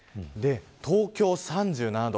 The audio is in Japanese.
東京３７度。